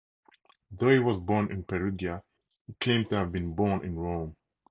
Though he was born in Perugia he claimed to have been born in Rome.